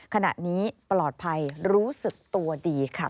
ขณะนี้ปลอดภัยรู้สึกตัวดีค่ะ